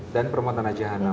dan permontana jahanam